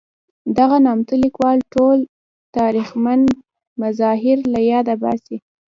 دغه نامتو لیکوال ټول تاریخمن مظاهر له یاده باسي.